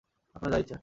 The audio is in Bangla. আপনার যা ইচ্ছা।